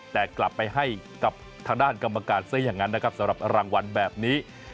แต่กลับไปให้กับทางด้านกรรมการซะอย่างนั้นนะครับสำหรับรางวัลแบบนี้